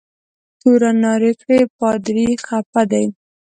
تورن نارې کړې پادري خفه دی.